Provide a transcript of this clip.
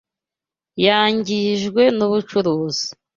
Yangijwe nubucuruzi.